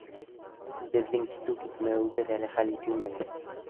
Беҙҙең китеү-китмәүебеҙ әле хәл ителмәгән!